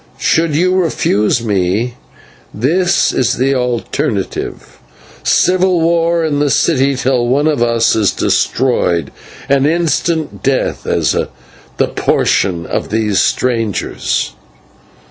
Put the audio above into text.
Should you refuse me, this is the alternative: civil war in the city till one of us is destroyed, and instant death as the portion of these strangers.